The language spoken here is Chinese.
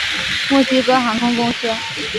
墨西哥航空公司。